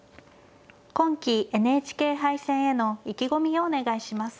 今期ＮＨＫ杯戦への意気込みをお願いします。